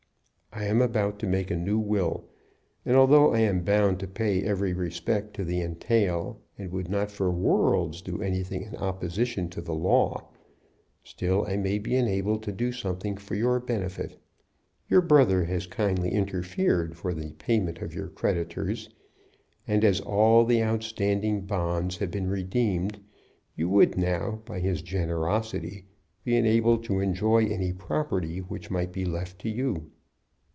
I am about to make a new will; and although I am bound to pay every respect to the entail, and would not for worlds do anything in opposition to the law, still I may be enabled to do something for your benefit. Your brother has kindly interfered for the payment of your creditors; and as all the outstanding bonds have been redeemed, you would now, by his generosity, be enabled to enjoy any property which might be left to you.